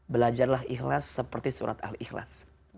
belajarlah ikhlas seperti surat al ikhlas